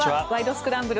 スクランブル」